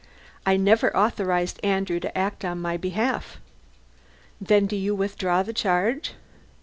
"I never authorized Andrew to act on my behalf." "Then do you withdraw the charge?"